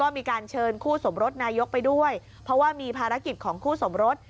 มีการเชิญคู่สมรสนายกไปด้วยเพราะว่ามีภารกิจของคู่สมรส